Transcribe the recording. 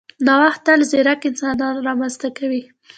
نوښت تل ځیرک انسانان رامنځته کوي.